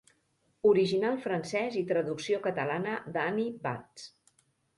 Original francès i traducció catalana d'Annie Bats.